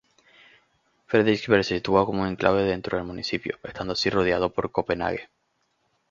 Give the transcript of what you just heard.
Frederiksberg se sitúa como un enclave dentro del municipio, estando así rodeado por Copenhague.